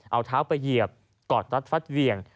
เอาเท้าไปเหยียบกอดรัดฟัดเหวี่ยง